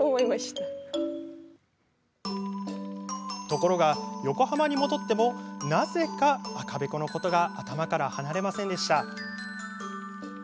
ところが横浜に戻ってもなぜか赤べこのことが頭から離れませんでした。